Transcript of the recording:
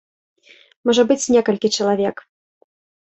Можа быць, некалькі чалавек.